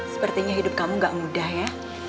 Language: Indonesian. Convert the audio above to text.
sepertinya hidup kamu gak mudah ya